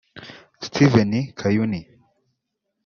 Steven Kayuni